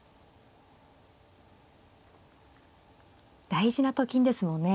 大事なと金ですもんね。